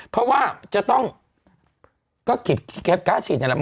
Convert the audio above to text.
เพราะว่าจะต้องเก็บการ์ดฉีดอย่างไร